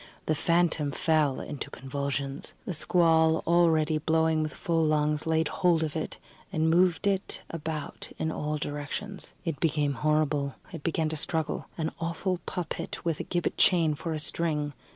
The phantom fell into convulsions. The squall, already blowing with full lungs, laid hold of it, and moved it about in all directions. It became horrible; it began to struggle. An awful puppet, with a gibbet chain for a string.